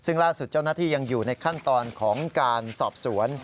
ซึ่งล่าสุดเจ้าหน้าที่ยังอยู่ในขั้นตอนของการสอบสวน